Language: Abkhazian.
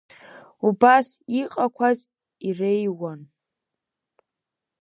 Убас иҟақәаз иреиуан…